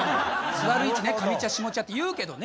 座る位置ね上家下家っていうけどね。